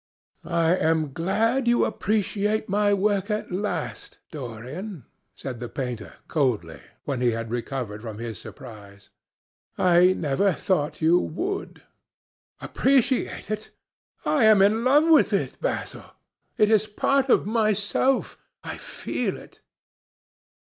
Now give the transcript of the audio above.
"I am glad you appreciate my work at last, Dorian," said the painter coldly when he had recovered from his surprise. "I never thought you would." "Appreciate it? I am in love with it, Basil. It is part of myself. I feel that."